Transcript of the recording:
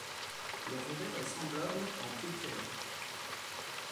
Le revers est semblable en plus clair.